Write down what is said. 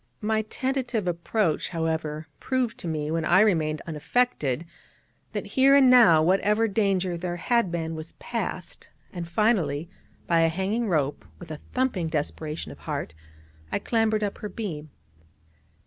My tentative approach, however, proved to me, when I remained unaffected, that, here and now, whatever danger there had been was past; and finally, by a hanging rope, with a thumping desperation of heart, I clambered up her beam.